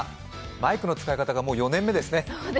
マイクの使い方が、もう４年目ですね。